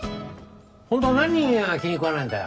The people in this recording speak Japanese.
本当は何が気にくわないんだよ？